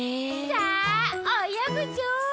さあおよぐぞ！